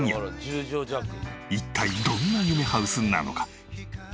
一体どんな夢ハウスなのか？